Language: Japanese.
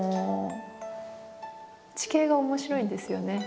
地形が面白いんですよね。